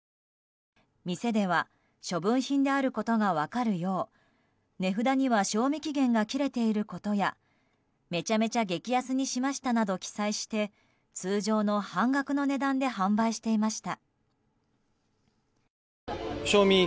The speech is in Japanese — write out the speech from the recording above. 店では処分品であることが分かるよう値札には賞味期限が切れていることや「めちゃめちゃ激安にしました」など記載して通常の半額の値段で販売していました。